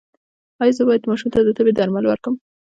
ایا زه باید ماشوم ته د تبې درمل ورکړم؟